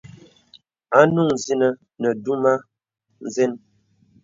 Anùn zìnə nə dùmə̄ nzə̀n.